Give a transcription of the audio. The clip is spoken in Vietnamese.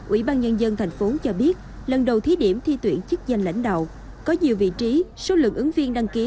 ủy ban nhân dân tp cho biết lần đầu thí điểm thi tuyển chức danh lãnh đạo có nhiều vị trí số lượng ứng viên đăng ký